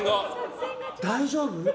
大丈夫？